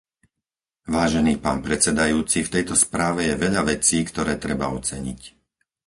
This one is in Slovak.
Vážený pán predsedajúci, v tejto správe je veľa vecí, ktoré treba oceniť.